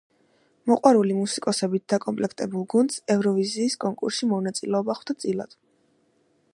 მოყვარული მუსიკოსებით დაკოპლექტებულ გუნდს ევროვიზიის კონკურსში მონაწილეობა ხვდა წილად.